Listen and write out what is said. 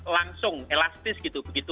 langsung elastis gitu begitu